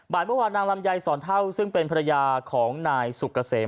เมื่อวานนางลำไยสอนเท่าซึ่งเป็นภรรยาของนายสุกเกษม